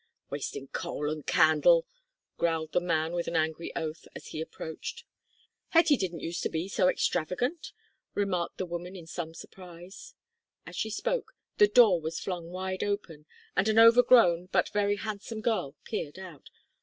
"Wastin' coal and candle," growled the man with an angry oath, as he approached. "Hetty didn't use to be so extravagant," remarked the woman, in some surprise. As she spoke the door was flung wide open, and an overgrown but very handsome girl peered out.